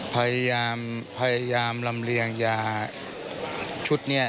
พยายามลำเรียงยาชุดนี้